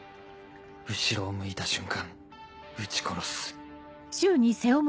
後ろを向いた瞬間撃ち殺す